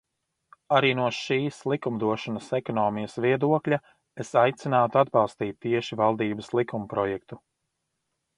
Arī no šīs likumdošanas ekonomijas viedokļa es aicinātu atbalstīt tieši valdības likumprojektu.